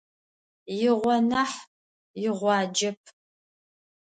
Игъо нахь, игъуаджэп.